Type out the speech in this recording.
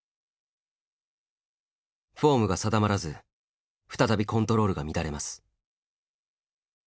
フォームが定まらず再びコントロールが乱れます。